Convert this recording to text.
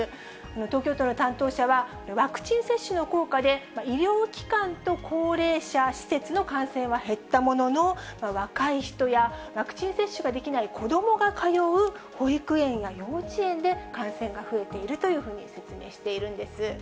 東京都の担当者は、ワクチン接種の効果で、医療機関と高齢者施設の感染は減ったものの、若い人やワクチン接種ができない子どもが通う保育園や幼稚園で、感染が増えているというふうに説明しているんです。